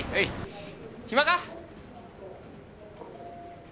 暇か？